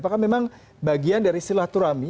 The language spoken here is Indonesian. apakah memang bagian dari silaturahmi